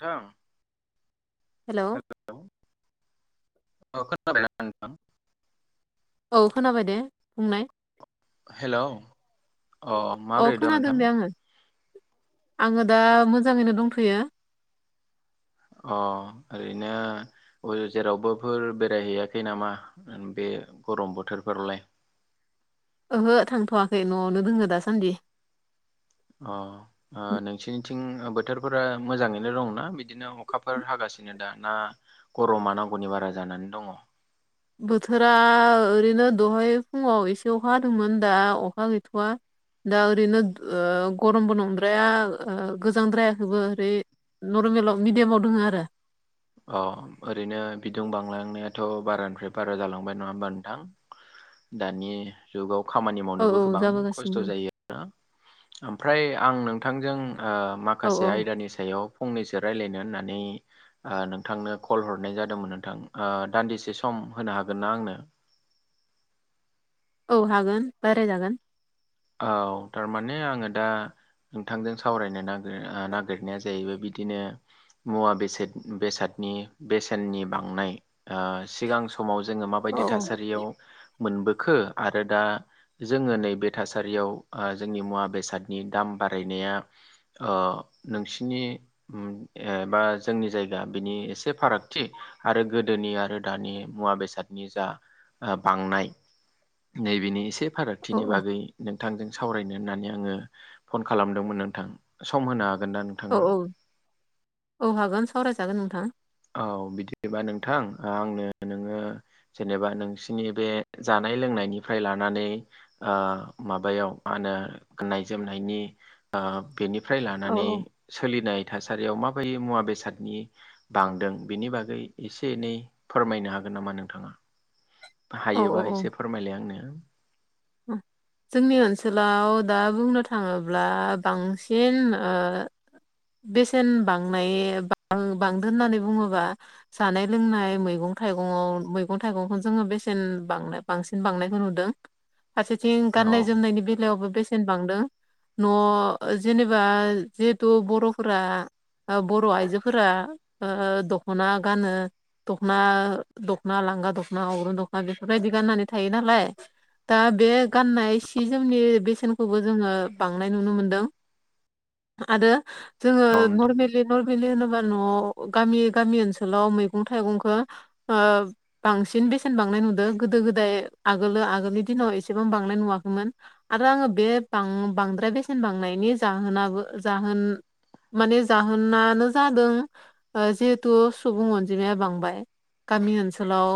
थां हेलौ हेल' [unintelligible] अ खोनाबाय ना नोंथां औ खोनाबाय दे बुंनाय हेलौ अ अ माब्रै दं नोंथां? आंङो दा मोजाङैनो दंथ'यो अ ओरैनो [unintelligible] जेरावबोफोर बेरायहैयाखै नामा बे गरम बोथोरफोरावलाय? ओहो थांथ'वाखै न'आवनो दोङो दासान्दि अ ओ नोंसिनिथिं बोथोरफोरा मोजाङैनो दंना बिदिनो अखाफोर हागासिनो दा ना गरमा नांगौनि बारा जानानै दङ? बोथोरा ओरैनो दहाय फुङाव एसे अखा हादोंमोन दा अखा गैथ'वा दा ओरैनो ओ गरमबो नंद्राया ओ गोजांद्रायाखैबो ओरै नरमेलाव मिडियामाव दोङो आरो अ ओरैनो बिदुं बांलांनायाथ' बारानिफ्राय बारा जालांबाय नङा होमबा नोंथां दानि जुगाव खामानि औ मावनोबो औ गोबां खस्थ' जाबोगासिनो जायो ओमफ्राय आं नोंथांजों ओ औ औ माखासे आयदानि सायाव फंनैसो रायलायनो होननानै ओ नोंथांनो कल हरनाय जादोंमोन नोंथां ओ दान्दिसे सम होनो हागोनना आंनो? औ हागोन रायलाय जागोन औ थारमाने आङो दा नोंथांजों सावरायनो नागिर ओ नागिरनाया जाहैबाय बिदिनो मुवा बेसेद बेसादनि बेसेननि बांनाय ओ सिगां स समाव जोङो औ माबायदि थासारियाव मोनबोखो आरो दा जोङो नैबे थासारियाव ओ जोंनि मुवा बेसादनि दाम बारायनाया ओ नोंसिनि उ एबा जोंनि जायगा बिनि एसे फारागथि आरो गोदोनि आरो दानि मुवा बेसाद [unintelligible] नि जा बांनाय नैबेनि एसे औ फारागथिनि बागै नोंथांजों सावरायनो होननानै आङो फन खालामदोंमोन नोंथां सम होनो हागोन दा औ औ औ हागोन सावरायजागोन नोंथां औ बिदिबा नोंथां आंनो नोङो जेनेबा नोंसिनि बे जानाय लोंनायनिफ्राय लानानै ओ माबायाव मा होनो गाननाय जोमनायनि ओ बेनिफ्राय औ लानानै औ सोलिनाय थासारियाव माबाय [unintelligible] मुवा बेसादनि बांदों बिनि बागै एसे एनै फोरमायनो हागोन नामा नोंथाङा औ हायोबा एसे फोरमायलाय आंनो उ जोंनि ओनसोलाव दा बुंनो थाङोब्ला बांसिन ओ बेसेन बांनाय बां बांदो होननानै बुङोबा जानाय लोंनाय मैगं थाइगंआव मैगं थाइगंखौ जोङो बेसेन बांना बांसिन बांनायखौ नुदों फारसेथिं औ गाननाय जोमनायनि बेलायावबो बेसेन बांदों न' जेनेबा जिहेथु बर'फोरा ओ बर' आइजोफोरा ओ दख'ना गानो दख'ना लांगा दख'ना अग्रं दख'ना बेफोरबायदि गाननानै थायो नालाय दा बे गाननाय सि जोमनि बेसेनखौबो जोङो बांनाय नुनो मोनदों आरो जोङो औ नोंथां नर्मेल नरमेलि होनोबा न'आव गामि गामि ओनसोलाव मैगं थाइगंखौ ओ बांसिन बेसेन बांनाय नुदों गोदो गोदाय आगोलो आगोलनि दिनाव एसेबां बांलनाय नुवाखैमोन आरो आङो बेां बांद्राय बेसेन बांनायनि जाहोनाबो जाहोन माने जाहोनानो जादों जिहेथु सुबुं अनजिमाया बांबाय गामि ओनसोलाव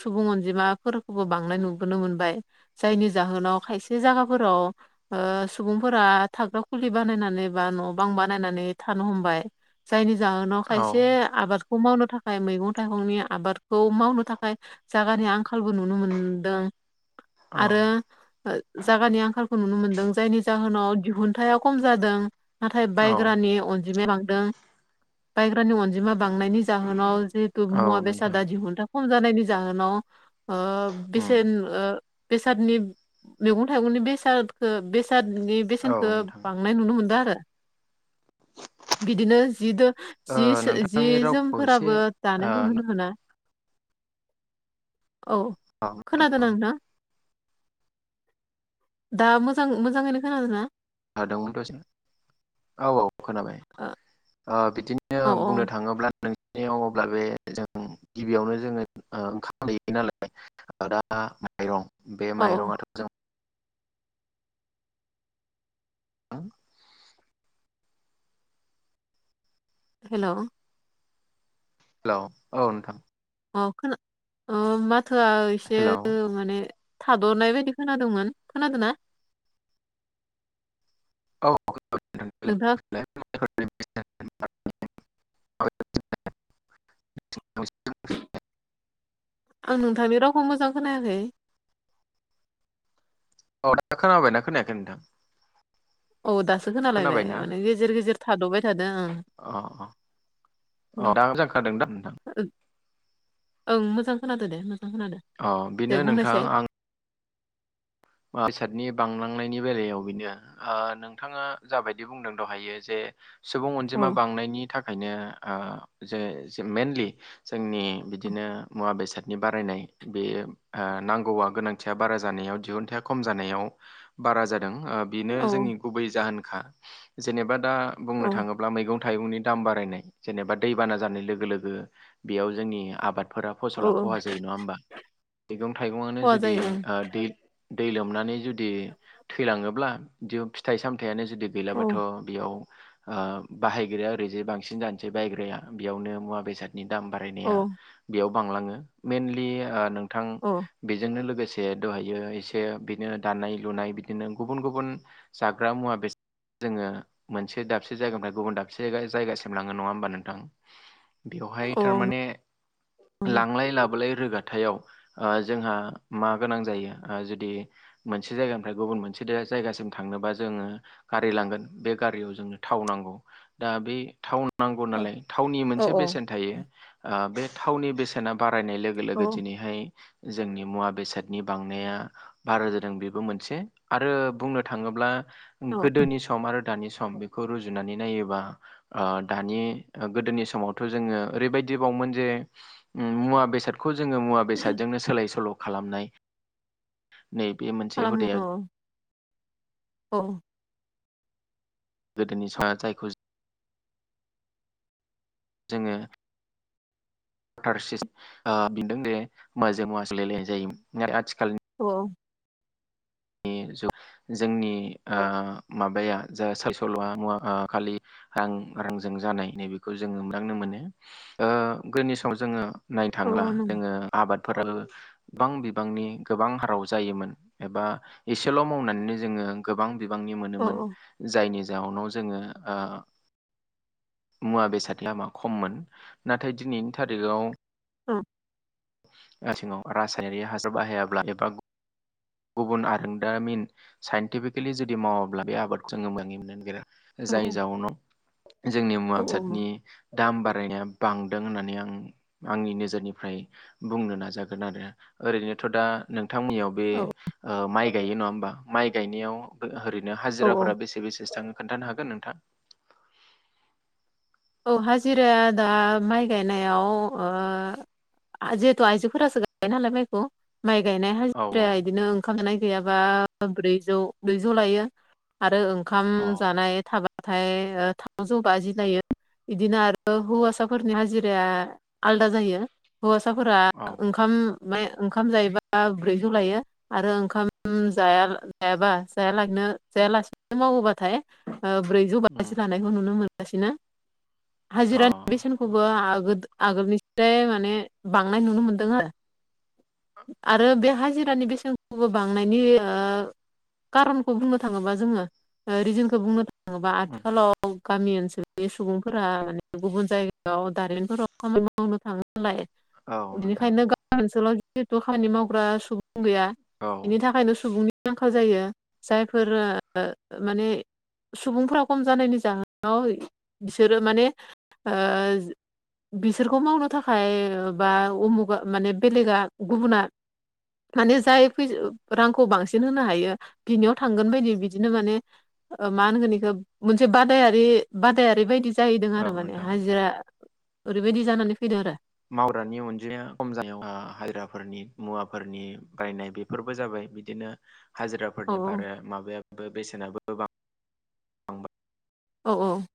सुबुं अनजिमाफोरखौबो बांनाय नुबोनो मोनबाय जायनि जाहोनाव खायसे जायगाफोराव ओ सुबुंफोरा थाग्रा खुलि बानायनानै बा न' बां बानायनानै थानो हमबाय जायनि जाहोनाव खायसे औ आबादखौ मावनो थाखाय मैगं थाइगंनि आबादखौ मावनो थाखाय जागानि आंखालबो नुनो मोनदों औ आरो जागगानि आंखालखौ नुनो मोनदों जायनि जाहोनाव दिहुनथाया खम जादों नाथाय औ बायग्रानि अनजिमाया बांदों बायग्रानि अनजिमा बांनायनि जाहोनाव जे मुवा औ नोंथां बेसादा दिहुुनथा खम जानायनि जाहोनाव उम बेसेन ओ बेसादनि मैगं थाइगंनि बेसाद बेसादनि औ बेसेनखौ नोंथां बां नाय नुनो मोनदों आरो बिदिनो जिदो ओ जिसो जि नोंथांनि रावखौ एसे जोमफोराबो ओ दानायखौ होनो मोना औ औ गोनां औ ना दा मोजां मोजाङैनो खोनादों ना? [unintelligible] दोंंमोन दस औ औ खोनाबाय ओ ओ बिदिनो औ [unintelligible] बुंनो थाङोब्लाों नों [unintelligible] अब्ला बे जों गिबियावनो जोङो ओ ओंखाम दैयो नालाय दा माइरं बे औ औ माइरङाथ' जों हो हेल' हेल' औ नोंथां अ खोना अ माथोआ एसे हेलौ माने थादनाय बायदि खोनादोंमोन खोनादों ना? औ [unintelligible] नोंथाङा [unintelligible] [unintelligible] आं नोंथांनि रावखौ मोजां खोनायाखै औ दा खोनाबाय दा खोनायाखै नोंथां? औ दासो खालायबाय खोनाबायना माने गेजेर गेजेर थाद'बाय थादों ओं अ अ अ ओं दा मोजां खोनादों दां नोंथां? ओं मोजां खोनादो दे मोजां खोनादो अ दे बेनो नोंथां बुंनायसाय आं बेसादनि बांलांनायनि बेलायाव बेनो ओ नोंथाङा जाबायदि बुंदों दहायो जे सुबुं औ अनजिमा बांनायनि थाखायनो ओ जे मइेनलि जोंनि बिदिनो मुवा बेसाद नि बारायनाय बे ओ नांगौआ गोनांथिया बारा जानायाव दिहुनथाया खम जानायाव बारा जादों ओ बेनो औ औ जोंनि गुबै जाहोनखा जेनेबा दा बुंनो औ थाङोब्ला मैगं थाइगंनि दाम बारायनाय जेनेबा दैबाना जानाय लोगो लोगो बेयाव जोंनि आबाद फोरा फसला औ खहा जायो नङा होमबा मैगं थाइगंनो खहा जुदि जायो ओ दै दै लोमनानै जुदि थैलाङोब्ला बि फिथाइ सामथायाइनो जुदि गैलाबाथ' ओं बेयाव ओ बाहायग्राया ओरैजे बांसिन जानोसै बायग्राया बेयावनो मुवा बेसादनि दाम बा औ बारायनाया बेयाव बांलाङो मइेनलि ओ नोंथां औ बेजोंनो लोगोसे दहायो एसे ओ बिदिनो दानाय लुनाय बिदिनो गुबुन गुबुन जाग्रा मुवा बे जोङो मोनसे दाबसे जायगानिफ्राय गुबुन दाबसे जायगासिम लाङो नङा होमबा नोंथां बेवहाय औ थारमाने नंगौ लांलाय लाबोलाय रोगा हाथायाव ओ जोंहा मा गोनां जायो दि मोनसे जायगानिफ्राय गुबुन मोनसे जायगासिम थांनोबा जोङो गारि लांगोन बे गारियाव जोंनो थाव नांगौ दा बे थाव नांगौ औ नालाय थावनि औ मोनसे बेसेन थायो ओ बे थावनि बेसेना बारायनाय लोगो औ लोगो दिनैहाय जोंनि मुवा बेसादनि बांनाया भारा जादों बेबो मोनसे आरो बुंनो थाङोब्ला औ गोदोनि सम आरो दानि सम बेखौ रुजुनानै नायोबा ओ दानि गोदोनि समावथ' जोङो ओरैबायदिबावोमोन जे उम मुवा बेसादखौ जोङो मुवा बेसादजोंनो सोलाय सोल' खालामनाय नै बे मोन खालामो औ औ गोदोनि समा जायखौ जों जोङो थार सिस ओ बिदों दे मुजों मुवा जों सोलायलायनाय जायो न आथिखालनि औ [unintelligible] जोंनि ओ माबाया जा सायसल'आ मुवा ओ खालि रां रांजों जानाय नैबेखौ जोङो मोनदांनो मोनो ओ गोदोनि समाव जोङो नायनो औ थांला नंगौ जोङो आबादफोराबो गोबां बिबांनि गोबां हाराव जायोमोन एबा एसेल' मावनानैनो जोङो गोबां बिबांनि औ मोनोमोन। औ जायनि जाउनाव जोङो ओ मुवा बेसाद लामा खममोन नाथाय दिनैनि थारिखाव औ [unintelligible] रासायनारि हाजार बाहायाब्ला एबा गुबुन आरोंदामिन साइन्टिफिकेलि जुदि मावाब्ला बे आबादखौ जो मोजाङै मोननो नागिरा औ जाय जाउनाव जोंनि मुवा औ बेसादनि नंगौ दाम बारायनाया बांदों होननानै आं आंनि नोजोरनिफ्राय बुंनो नाजागोन आरो ओरैनोथ' दा नोंथांमोननियाव बे औ ओ माइ गायो नङा होमबा माइ गायनायाव ओरैनो औ हाजिराफोरा बेसे बेसेसो थाङो खोन्थानो हागोन नोंथां? औ हाजिराया दा माइ गायनायाव ओ जेहेथ' आइजोफोरासो गायो नालाय माइखौ माइ गायनाय औ हाजिराया बिदिनो ओंखाम जानाय गैयाबा ब्रैजौ ब्रैजौ लायो। आरो ओंखाम औ जानाय थाबाथाय [inaudible] इदिनो आरो हौवासाफोरनि हाजिराया आलदा जायो हौवासाफोरा औ ओंखाम माने ओंखाम जायोबा ब्रैजौ लायो। आरो ओंखाम जाया जायाबा जायालागिनो जायालासिनो मावोबाथाय ब्रैजौ बाजि उम लानायखौ नुनो मोनगासिनो अ हाजिरानि बेसेन आगोल आगोलनिफ्राय माने बांनाय नुनो मोनदों आरो। आरो बे हाजिरानि बेसेनखौबो बांनायनि ओ कारनखौ बुंनो थाङोबा जोङो रिजोनखौ बुंनो थाङोबा उम आथिखालाव गामि ओनसोल बे सुबुंफोरा गुबुन जायगायाव दारिमिनफोराव खामानि मावनो थाङो नालाय औ नोंथां बिनिखायनो गामि ओनसोलाव जिहेतु खामानि मावग्रा सुबुं गैया औ बेनि थाखायनो सुबुंनि आंखाल जायो। जायफोर माने सुबुंफ्रा खम जानायनि जाहोनाव बिसोरो माने ओ बिसोरखौ मावनो थाखाय बा उमुगा माने बेलेगा गुबुना माने जाय फै रांखौ बांसिन होनो हायो बिनियाव थांगोन बायदि बिदिनो माने ओ मा होनगोन इखो मोनसे बादायारि बाद बादायारि बायदि जाहैदों औ आरो माने नोंथां हाजिरा ओरैबायदि जानानै फैदों आरो। मावग्रानि अनजिमाया खम जानायावहा हाजिराफोरनि मुवाफोरनि बायनाय बे फोरबो जाबाय बिदिनो औ हाजिराफोरनि बारा माबायो बेसेनाबो बां औ औ।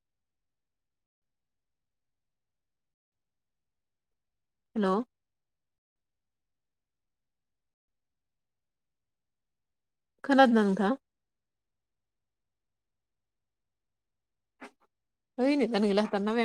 हेल' खोनादों ना नोंथां? है नेटआनो गैला दानना होबाय आं।